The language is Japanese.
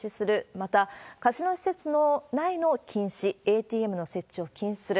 また、カジノ施設内の禁止、ＡＴＭの設置を禁止する。